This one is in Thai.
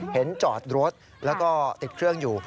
จอดรถแล้วก็ติดเครื่องอยู่